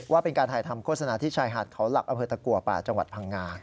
ว่าเป็นการถ่ายทำโฆษณาที่ชายหาดเขาหลักอำเภอตะกัวป่าจังหวัดพังงา